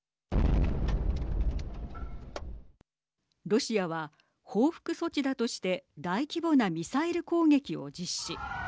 ロシアは報復措置だとして大規模なミサイル攻撃を実施。